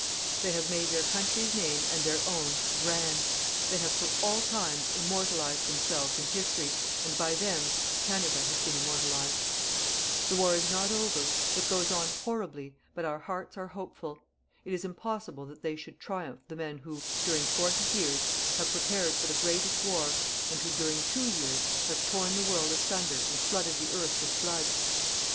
_ "_They have made their country's name and their own grand. They have for all times immortalized themselves in History, and, by them, Canada has been immortalized._ "_The war is not over; it goes on horribly, but our hearts are hopeful. It is impossible that they should triumph the men who, during forty years, have prepared for the greatest war and who, during two years, have torn the world asunder and flooded the earth with blood.